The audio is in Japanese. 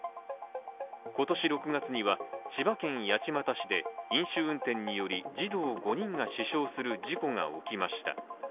今年６月には千葉県八街市で飲酒運転により児童５人が死傷する事故が起きました。